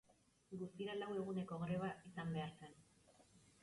Guztira lau eguneko greba izan behar zen.